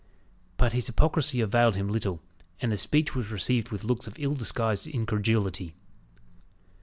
But his hypocrisy availed him little, and his speech was received with looks of ill disguised incredulity.